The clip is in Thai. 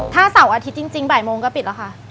ถ้าเสาร์อาทิตย์จริงบ่ายโมงก็ปิดแล้วค่ะ